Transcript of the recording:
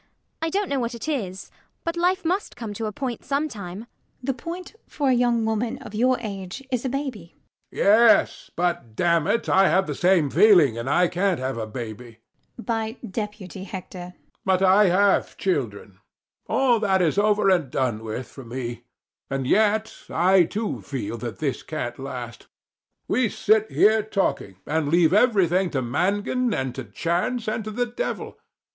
I don't know what it is; but life must come to a point sometime. LADY UTTERWORD. The point for a young woman of your age is a baby. HECTOR. Yes, but, damn it, I have the same feeling; and I can't have a baby. LADY UTTERWORD. By deputy, Hector. HECTOR. But I have children. All that is over and done with for me: and yet I too feel that this can't last. We sit here talking, and leave everything to Mangan and to chance and to the devil.